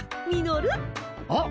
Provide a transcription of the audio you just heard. あっ！